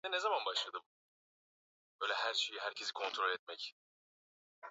walikuwa katika eneo karibu na mto wa